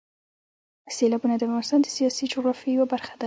سیلابونه د افغانستان د سیاسي جغرافیې یوه برخه ده.